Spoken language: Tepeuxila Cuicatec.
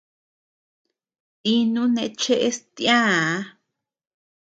Dínu neʼe cheʼes tiäa.